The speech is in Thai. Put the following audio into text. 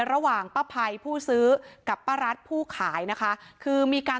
ระหว่างป้าภัยผู้ซื้อกับป้ารัฐผู้ขายนะคะคือมีการ